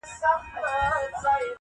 o په اوومه ورځ موضوع له کوره بهر خپرېږي,